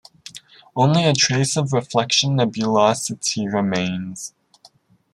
Only a trace of reflection nebulosity remains.